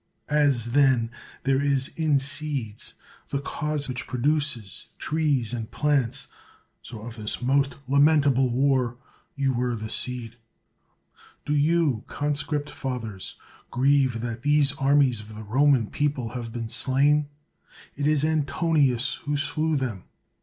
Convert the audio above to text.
As, then, there is in seeds the cause which pro duces trees and plants, so of this most lamentable war you were the seed. Do you, conscript fathers, grieve that these armies of the Roman people have been slain ? It is Antonius who slew them.